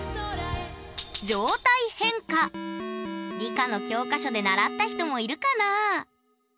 理科の教科書で習った人もいるかな？